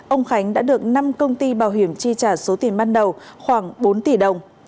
ông khánh đã được năm công ty bảo hiểm chi trả số tiền ban đầu khoảng bốn tỷ đồng